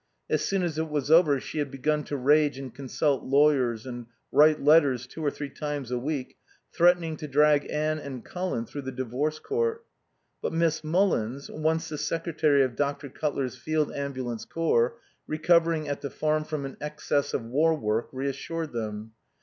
As soon as it was over she had begun to rage and consult lawyers and write letters two or three times a week, threatening to drag Anne and Colin through the Divorce Court. But Miss Mullins (once the secretary of Dr. Cutler's Field Ambulance Corps), recovering at the Farm from an excess of war work, reassured them.